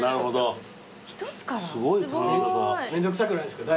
めんどくさくないですか？